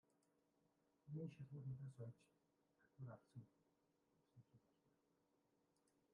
Миний шалгуур надаас оёж татвар авсан" гэсэн шиг болно.